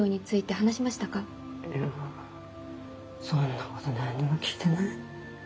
いやそんなこと何にも聞いてない。